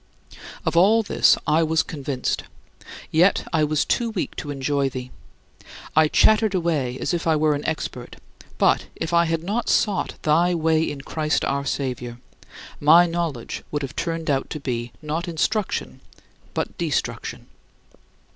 Of all this I was convinced, yet I was too weak to enjoy thee. I chattered away as if I were an expert; but if I had not sought thy Way in Christ our Saviour, my knowledge would have turned out to be not instruction but destruction.